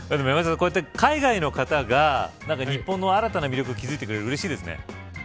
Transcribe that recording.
山下さん、こうやって海外の方が日本の新たな魅力に気付いてくれてうれしいですね。